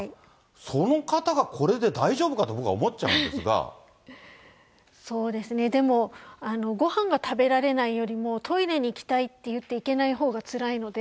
その方がこれで大丈夫かと、そうですね、でも、ごはんが食べられないよりも、トイレに行きたいっていって行けないほうがつらいので。